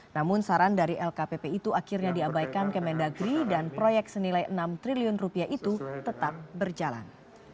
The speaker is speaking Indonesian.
namun saran dari lkpp itu akhirnya diabaikan ke mendagri dan proyek senilai enam triliun rupiah itu tetap berjalan